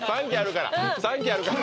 ３機あるから！